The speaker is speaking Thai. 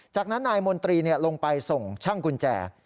จากนั้นนายมนตรีลงไปส่งช่างกุญแจ